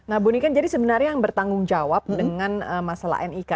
nah bunyikan jadi sebenarnya yang bertanggung jawab dengan nik